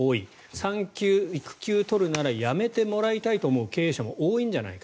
産休、育休を取るならやめてもらいたいと思う経営者も多いんじゃないか。